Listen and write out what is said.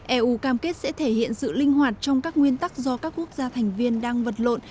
eu cam kết sẽ thể hiện sự linh hoạt trong các nguyên tắc do các quốc gia thành viên đang vật lộn